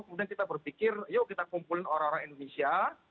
kemudian kita berpikir yuk kita kumpulin orang orang indonesia